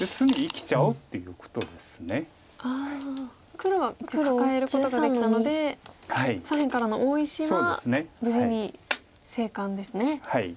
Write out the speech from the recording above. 黒はカカえることができたので左辺からの大石は無事に生還ですね。